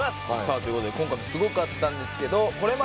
ということで今回もすごかったんですけど。